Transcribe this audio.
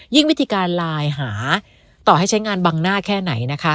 วิธีการไลน์หาต่อให้ใช้งานบังหน้าแค่ไหนนะคะ